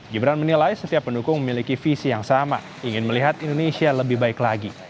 gibran menilai setiap pendukung memiliki visi yang sama ingin melihat indonesia lebih baik lagi